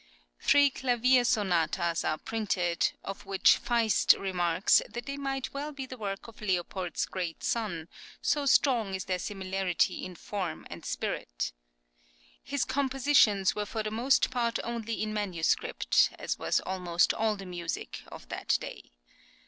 Three clavier {CHILDHOOD.} (12) sonatas are printed,[10013] of which Faiszt remarks that they might well be the work of Leopold's great son, so strong is their similarity in form and spirit.[10014] is compositions were for the most part only in manuscript, as was almost all the music of that day.